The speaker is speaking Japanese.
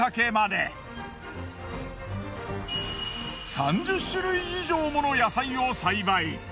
３０種類以上もの野菜を栽培。